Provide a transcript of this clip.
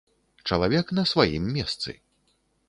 Чалавек на сваім месцы.